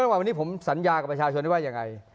วันนี้ผมสัญญากับประชาชนว่าอย่างไร